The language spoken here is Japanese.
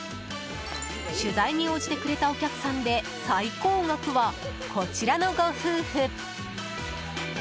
取材に応じてくれたお客さんで最高額はこちらのご夫婦。